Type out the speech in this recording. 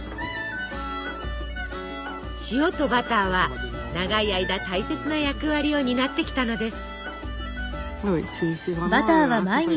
塩とバターは長い間大切な役割を担ってきたのです。